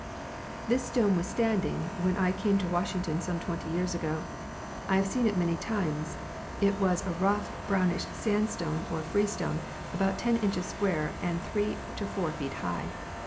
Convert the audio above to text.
This stone was standing when I came to Washington, some twenty years ago; I have seen it many times. It was a rough brownish sandstone or freestone about 10 inches square and 3 to 4 feet high.